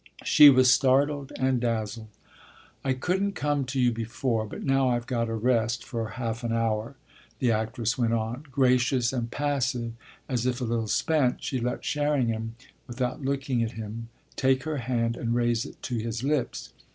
She was startled and dazzled. "I couldn't come to you before, but now I've got a rest for half an hour," the actress went on. Gracious and passive, as if a little spent, she let Sherringham, without looking at him, take her hand and raise it to his lips.